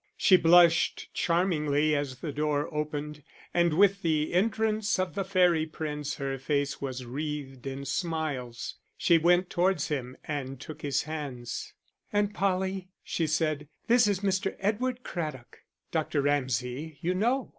She blushed charmingly as the door opened, and with the entrance of the fairy prince her face was wreathed in smiles. She went towards him and took his hands. "Aunt Polly," she said, "this is Mr. Edward Craddock.... Dr. Ramsay you know."